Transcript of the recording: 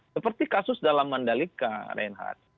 seperti kasus dalam mandalika reinhardt